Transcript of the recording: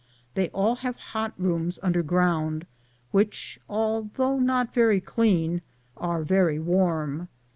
They all have hot rooms underground, which, although not very clean, are very warm.